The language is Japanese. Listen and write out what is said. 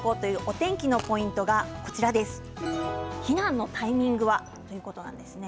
お天気のポイントは避難のタイミングはということです。